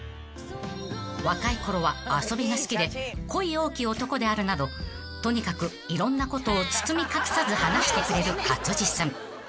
［若いころは遊びが好きで恋多き男であるなどとにかくいろんなことを包み隠さず話してくれる勝地さん］